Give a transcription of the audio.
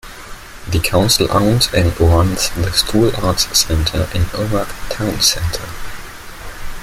The council owns and runs the Strule Arts Centre in Omagh town centre.